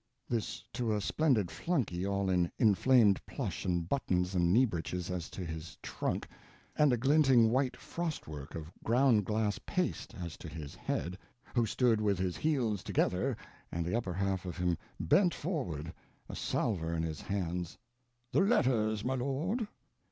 This to a splendid flunkey, all in inflamed plush and buttons and knee breeches as to his trunk, and a glinting white frost work of ground glass paste as to his head, who stood with his heels together and the upper half of him bent forward, a salver in his hands: "The letters, my lord."